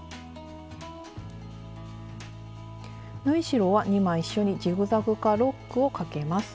縫い代は２枚一緒にジグザグかロックをかけます。